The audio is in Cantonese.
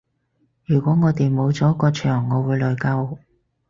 如果我哋冇咗個場我會內疚